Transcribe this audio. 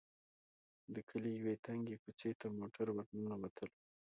د کلي يوې تنګې کوڅې ته موټر ور ننوتلو.